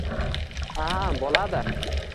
— Ha, boʻladi.